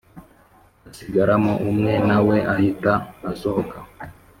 hasigaramo umwe nawe ahita asohoka